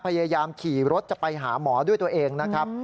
พยายามขี่รถจะไปหาหมอด้วยตัวเองนะครับ